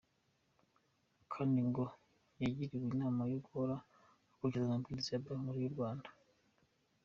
Kandi ngo yagiriwe inama yo guhora akurikiza amabwiriza ya Banki Nkuru y’u Rwanda.